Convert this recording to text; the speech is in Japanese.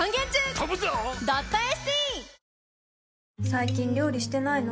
最近料理してないの？